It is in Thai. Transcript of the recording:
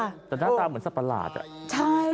แต่หน้าตาเหมือนสประหลาดอ่ะ